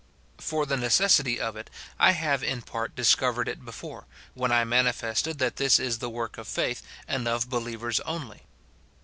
For the necessity of it, I have in part discovered it ' before, when I manifested that this is the work of faith and of believers only.